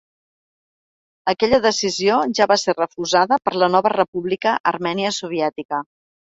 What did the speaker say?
Aquella decisió ja va ser refusada per la nova república armènia soviètica.